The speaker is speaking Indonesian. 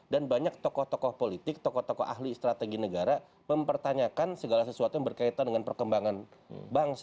dan banyak tokoh tokoh politik tokoh tokoh ahli strategi negara mempertanyakan segala sesuatu yang berkaitan dengan perkembangan bangsa